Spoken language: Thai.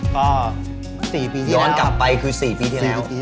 ก็๔ปีที่แล้วครับครับย้อนกลับไปคือ๔ปีที่แล้ว